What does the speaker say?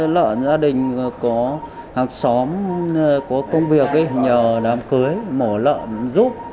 lợn gia đình có hàng xóm có công việc nhờ đám cưới mổ lợn giúp